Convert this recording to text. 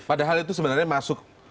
padahal itu sebenarnya masuk